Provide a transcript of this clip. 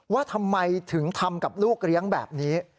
ว่าทำไมถึงทำกับลูกเลี้ยงแบบนี้